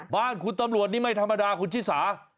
บ้านคุณตำรวจนี่ไม่ธรรมดาคุณชิสา